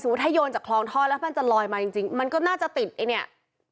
ถ้าโยนจากคลองท่อแล้วมันจะลอยมาจริงจริงมันก็น่าจะติดไอ้เนี่ย